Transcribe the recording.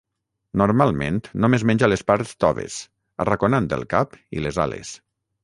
Normalment només menja les parts toves, arraconant el cap i les ales.